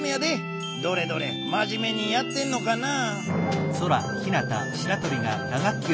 どれどれまじめにやってんのかな？